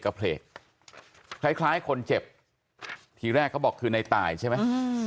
คล้ายคนเจ็บทีแรกเขาบอกคือในตายใช่ไหม